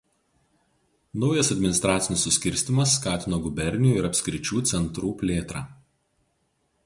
Naujas administracinis suskirstymas skatino gubernijų ir apskričių centrų plėtrą.